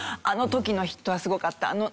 「あの時のヒットはすごかった！」